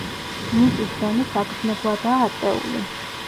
მიწის დონე საგრძნობლადაა აწეული.